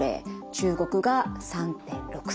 中国が３．６３例。